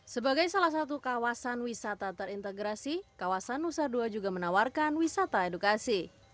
sebagai salah satu kawasan wisata terintegrasi kawasan nusa dua juga menawarkan wisata edukasi